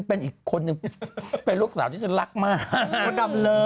เป็นลูกหนาวที่จะรักมาก